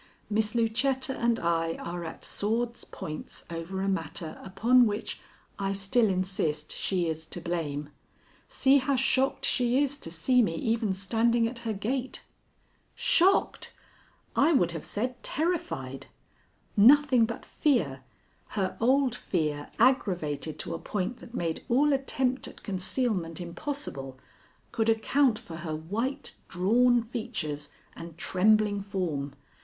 Miss Lucetta and I are at swords' points over a matter upon which I still insist she is to blame. See how shocked she is to see me even standing at her gate." Shocked! I would have said terrified. Nothing but fear her old fear aggravated to a point that made all attempt at concealment impossible could account for her white, drawn features and trembling form.